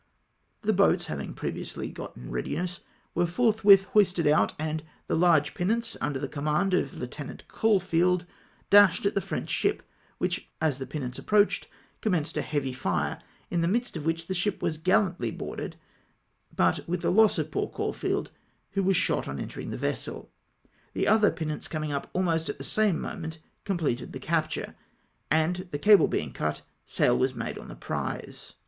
The boats having been previously got m readiness, were forthwith hoisted out, and the large pinnace, under DEATH OF LIEUT. CAULFIELD. 243 the command of Lieutenant Cauliield, dashed at tlie French ship, which, as the pinnace approached, com menced a heavy fire, in tlie midst of wliich the ship was gallantly boarded, but with the loss of poor Caul field, who was shot on entering the vessel. The other pinnace coming up almost at the same moment com pleted the capture, and the cable being cut, sail was made on the prize.